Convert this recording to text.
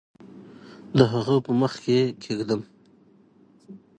د هغه په مخ کې کښېږدم